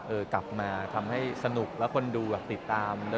กลับมาทำให้สนุกแล้วคนดูแบบติดตาม